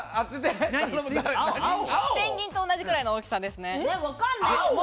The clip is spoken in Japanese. ペンギンと同じくらいの大きさですね。